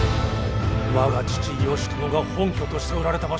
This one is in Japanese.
我が父義朝が本拠としておられた場所じゃ。